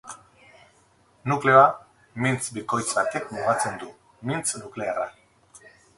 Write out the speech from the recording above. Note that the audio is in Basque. Nukleoa, mintz bikoitz batek mugatzen du: mintz nuklearra.